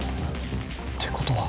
てことは